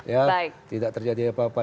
ya tidak terjadi apa apa